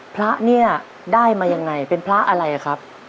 พระเนี่ยได้มายังไงเป็นพระอะไรครับ